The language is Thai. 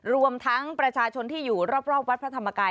รวมทั้งประชาชนที่อยู่รอบวัดพระธรรมกาย